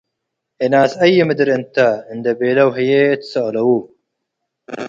‘’እናስ አዪ ምድር እንተ’’ እንዴ ቤለው ህዬ ትሰአለው፣